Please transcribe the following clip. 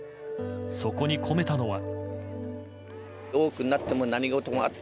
そこに込めたのは。